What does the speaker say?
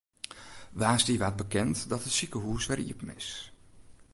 Woansdei waard bekend dat it sikehûs wer iepen is.